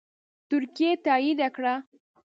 ترکیې تایید کړه